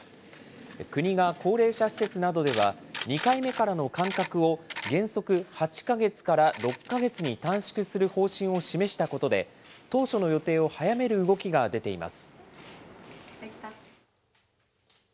国が高齢者施設などでは、２回目からの間隔を原則８か月から６か月に短縮する方針を示したことで、当初の予定を早める動きが出ています。